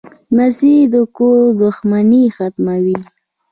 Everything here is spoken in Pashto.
لمسی د کور دښمنۍ ختموي.